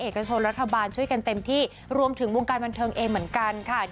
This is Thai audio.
เอกชนรัฐบาลช่วยกันเต็มที่รวมถึงวงการบันเทิงเองเหมือนกันค่ะ